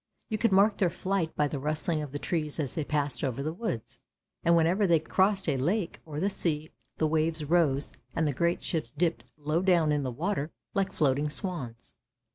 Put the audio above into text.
You could mark their flight by the rustling of the trees as they passed over the woods; and whenever they crossed a lake, or the sea, the waves rose and the great ships dipped low down in the w r ater, like floating swans.